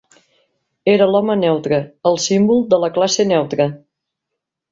Era l'home neutre, el símbol de la classe neutra